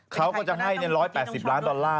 เขาก็จะให้๑๘๐ล้านดอลลาร์